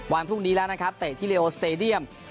วันพรุ่งนี้แล้วนะครับเตะที่เรียโอสเตดียม